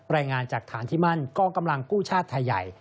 รายงานจากฐานที่มั่นกองกำลังกู้ชาติไทยใหญ่